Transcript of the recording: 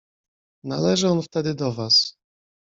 "Należy on wtedy do was."